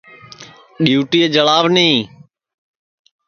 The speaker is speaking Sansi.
ڈؔؔیوٹیئے جݪاو نی